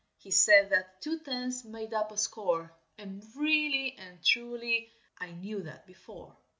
He said that two tens made up a score, And really and truly, I knew that before.